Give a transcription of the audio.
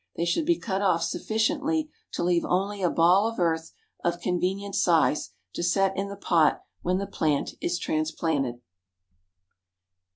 They should be cut off sufficiently to leave only a ball of earth of convenient size to set in the pot when the plant is transplanted.